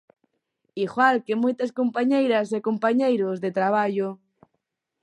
Igual que moitas compañeiras e compañeiros de traballo.